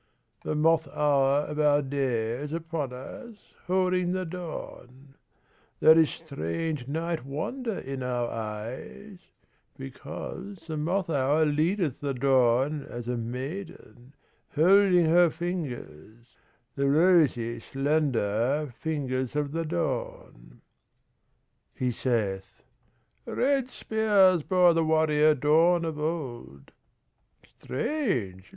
The moth hour of our day is upon us Holding the dawn; There is strange Night wonder in our eyes Because the Moth Hour leadeth the dawn As a maiden, holding her fingers, The rosy, slender fingers of the dawn." He saith: "Red spears bore the warrior dawn Of old Strange!